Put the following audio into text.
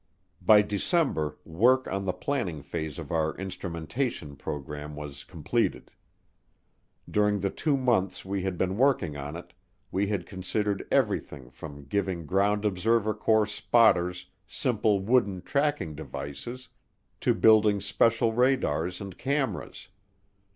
By December work on the planning phase of our instrumentation program was completed. During the two months we had been working on it we had considered everything from giving Ground Observer Corps spotters simple wooden tracking devices to building special radars and cameras.